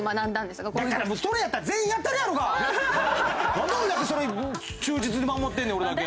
なんで俺だけそれ忠実に守ってんねん俺だけ。